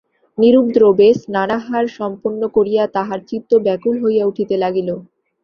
নিরুপদ্রবে স্নানাহার সম্পন্ন করিয়া তাঁহার চিত্ত ব্যাকুল হইয়া উঠিতে লাগিল।